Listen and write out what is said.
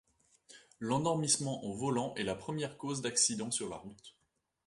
L'endormissement au volant est la première cause d'accident sur la route.